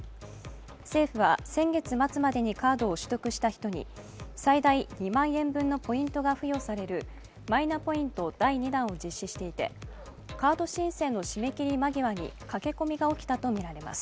政府は先月末までにカードを取得した人に最大２万円分のポイントが付与されるマイナポイント第２弾を実施していて、カード申請の締め切り間際に駆け込みが起きたとみられます。